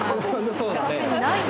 そうだね。